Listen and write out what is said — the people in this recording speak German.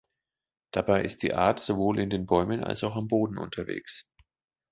Dabei ist die Art sowohl in den Bäumen als auch am Boden unterwegs.